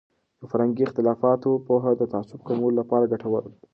د فرهنګي اختلافاتو پوهه د تعصب کمولو لپاره ګټوره دی.